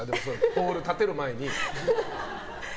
ポール立てる前に。